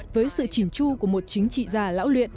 với sự chỉnh chu của một chính trị gia lão luyện